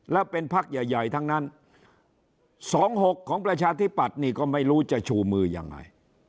แล้วเป็นพักใหญ่ทั้งนั้น๒๖ของประชาธิปัตย์นี่ก็ไม่รู้จะชูมือยังไง